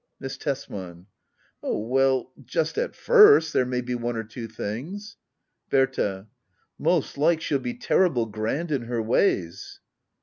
Miss Tesman. Oh well — just at first there may be one or two things Bbrta. Most like she'll be terrible grand in her ways.